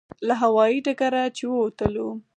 له هوایي ډګره چې ووتلو.